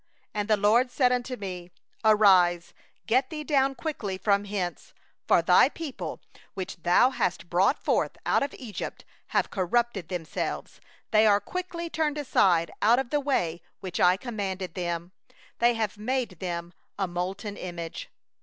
12And the LORD said unto me: 'Arise, get thee down quickly from hence; for thy people that thou hast brought forth out of Egypt have dealt corruptly; they are quickly turned aside out of the way which I commanded them; they have made them a molten image.